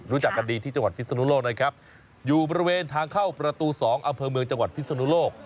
รู้จักกันดีที่จังหวัดพิศนุโลกนะครับอยู่บริเวณทางเข้าประตู๒อำเภอเมืองจังหวัดพิศนุโลก